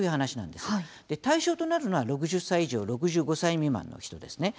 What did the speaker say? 対象となるのは６０歳以上６５歳未満の人ですね。